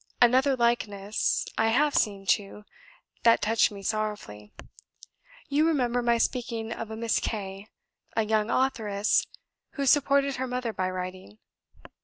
Another likeness I have seen, too, that touched me sorrowfully. You remember my speaking of a Miss K., a young authoress, who supported her mother by writing?